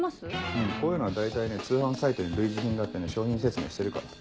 うんこういうのは大体ね通販サイトに類似品があってね商品説明してるから。